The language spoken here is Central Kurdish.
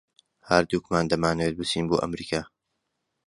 ھەردووکمان دەمانەوێت بچین بۆ ئەمریکا.